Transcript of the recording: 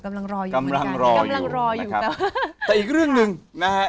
กำลังรออยู่แต่อีกเรื่องนึงนะฮะ